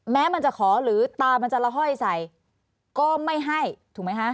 แม้มันจะขอหรือตามันจะละห้อยใส่ก็ไม่ให้ถูกไหมคะ